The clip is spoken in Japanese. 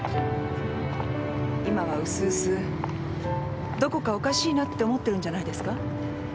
今はうすうすどこかおかしいなって思ってるんじゃないですか？